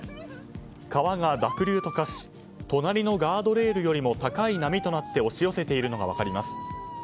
川が濁流と化し隣のガードレールよりも高い波となって押し寄せているのが分かります。